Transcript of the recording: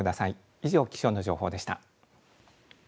以上、気象の情報でした。